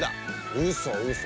うそうそ。